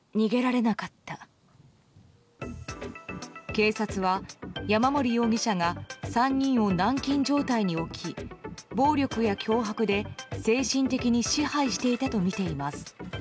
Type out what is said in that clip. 警察は山森容疑者が３人を軟禁状態に置き暴力や脅迫で、精神的に支配していたとみています。